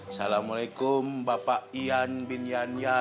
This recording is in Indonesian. assalamualaikum bapak ian bin yan yan